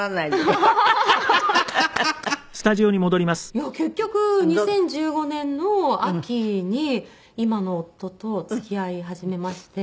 いや結局２０１５年の秋に今の夫と付き合い始めまして。